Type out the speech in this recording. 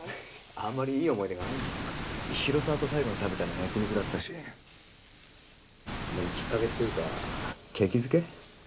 あんまりいい思い出がないんだよ広沢と最後に食べたの焼肉だったしでもきっかけっていうか景気づけ？